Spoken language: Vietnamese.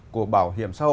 của bảo hiểm xã hội